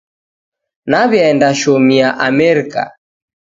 Naw'iaendashomia Amerika.